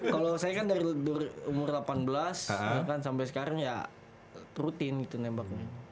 kalau saya kan dari umur delapan belas kan sampai sekarang ya rutin gitu nembaknya